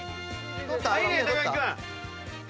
いいね木君。